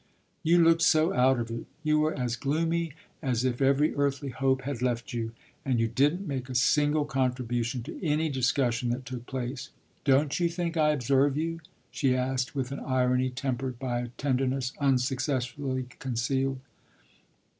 "You looked so out of it; you were as gloomy as if every earthly hope had left you, and you didn't make a single contribution to any discussion that took place. Don't you think I observe you?" she asked with an irony tempered by a tenderness unsuccessfully concealed.